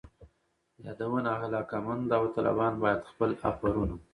یادونه: علاقمند داوطلبان باید خپل آفرونه